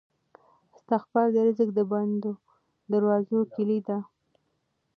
استغفار د رزق د بندو دروازو کیلي ده.